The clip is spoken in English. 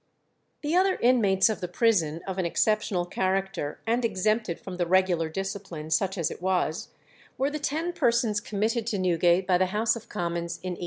The other inmates of the prison of an exceptional character, and exempted from the regular discipline, such as it was, were the ten persons committed to Newgate by the House of Commons in 1835.